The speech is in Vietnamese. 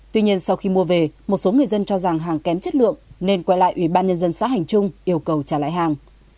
tuy nhiên sau khi mua về một số người dân cho rằng hàng kém chất lượng nên quay lại ủy ban nhân dân xã hành trung yêu cầu trả lại hàng